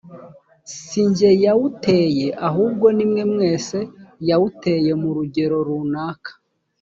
c si jye yawuteye ahubwo ni mwe mwese yawuteye mu rugero runaka